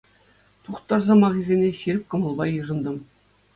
Тухтӑр сӑмахӗсене ҫирӗп кӑмӑлпа йышӑнтӑм.